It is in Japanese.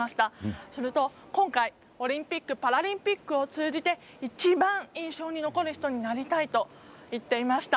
すると、今回オリンピック・パラリンピックを通じて一番、印象に残る人になりたいと言っていました。